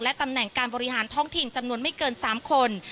ตำแหน่งการบริหารท้องถิ่นจำนวนไม่เกิน๓คน